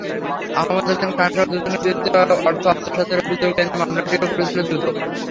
আহমদ হোসেন খানসহ দুজনের বিরুদ্ধে অর্থ আত্মসাতের অভিযোগ এনে মামলাটিও করেছিল দুদক।